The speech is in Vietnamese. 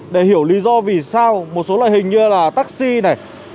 để hiểu lý do vì sao một số loại hình như là taxi này